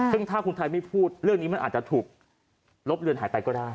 ซึ่งถ้าคุณไทยไม่พูดเรื่องนี้มันอาจจะถูกลบเลือนหายไปก็ได้